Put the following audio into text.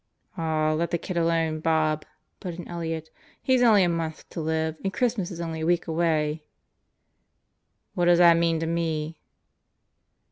"Aw, let the kid alone, Bob," put in Elliott. "He's only a month to live and Christmas is only a week away." "What does that mean to me?"